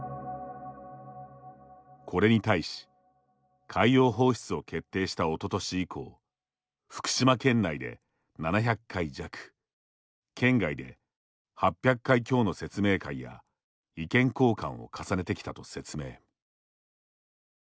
これに対し海洋放出を決定したおととし以降福島県内で７００回弱県外で８００回強の説明会や意見交換を重ねてきたと説明。